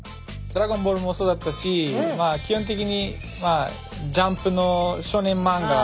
「ドラゴンボール」もそうだったし基本的に「ジャンプ」の少年漫画